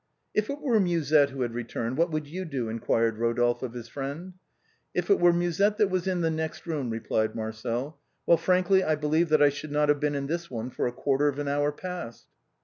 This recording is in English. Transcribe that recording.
" If it were Musette who had returned, what would you do ?" enquired Rodolphe of his friend. " If it were Musette that was in the next room," replied Marcel, " well, frankly, I believe that I should not have been in this one for a quarter of an hour past."